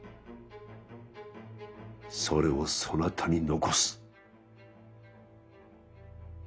それをそなたに残す。